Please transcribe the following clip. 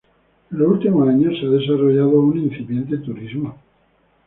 En los últimos años se ha desarrollado un incipiente turismo.